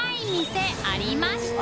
店ありました